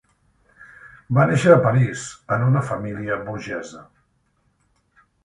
Va néixer a París, en una família burgesa.